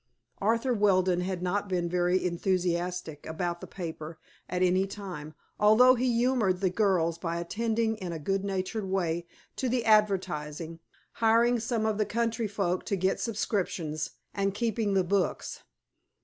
Arthur Weldon had not been very enthusiastic about the paper at any time, although he humored the girls by attending in a good natured way to the advertising, hiring some of the country folk to get subscriptions, and keeping the books.